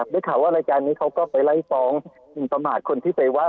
ได้ข่าวว่ารายการนี้เขาก็ไปไล่ฟ้องหมินประมาทคนที่ไปว่า